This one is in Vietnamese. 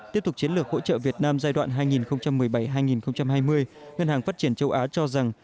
tiếp tục chiến lược hỗ trợ việt nam giai đoạn hai nghìn một mươi bảy hai nghìn hai mươi ngân hàng phát triển châu á cho rằng